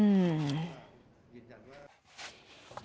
อืม